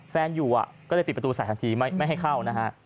แฟนอยู่ก็เลยปิดประตูใส่ทันทีไม่ให้เข้านะฮะ